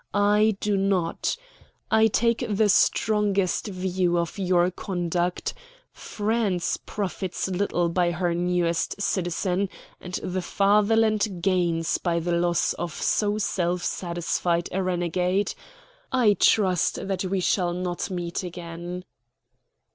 I do not. I take the strongest view of your conduct. France profits little by her newest citizen, and the Fatherland gains by the loss of so self satisfied a renegade. I trust that we shall not meet again."